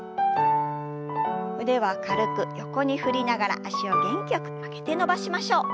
腕は軽く横に振りながら脚を元気よく曲げて伸ばしましょう。